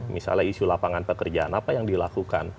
misalnya isu lapangan pekerjaan apa yang dilakukan